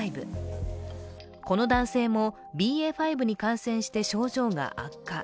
この男性もＢＡ．５に感染して症状が悪化。